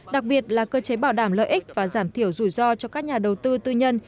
đặc biệt là cơ chế bảo đảm lợi ích và giảm thiểu rủi ro cho các nhà đầu tư tư nhân